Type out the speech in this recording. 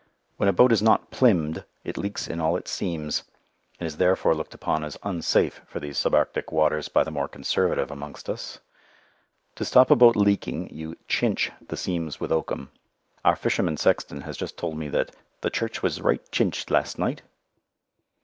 When a boat is not "plymmed," it leaks in all its seams, and is therefore looked upon as unsafe for these sub Arctic waters by the more conservative amongst us. To stop a boat leaking you "chinch" the seams with oakum. Our fisherman sexton has just told me that "the church was right chinched last night."